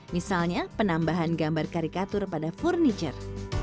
misalnya penambahan gambar karikatur pada furniture